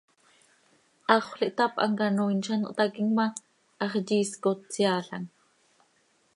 Haxöl ihtáp, hamcanoiin z ano htaquim ma, hax yiisc oo, tseaalam.